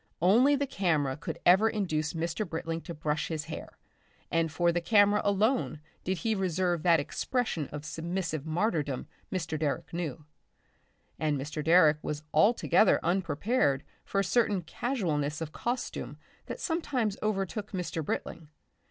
Only the camera could ever induce Mr. Britling to brush his hair, and for the camera alone did he reserve that expression of submissive martyrdom Mr. Direck knew. And Mr. Direck was altogether unprepared for a certain casualness of costume that sometimes overtook Mr. Britling.